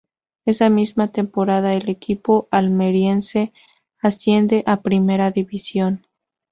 Esa misma temporada el equipo almeriense asciende a Primera División.